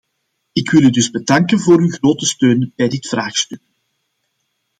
Ik wil u dus bedanken voor uw grote steun bij dit vraagstuk.